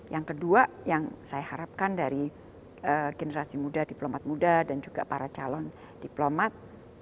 yang kedua yang saya harapkan dari generasi muda diplomat muda dan juga para calon diplomat